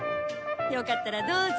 よかったらどうぞ。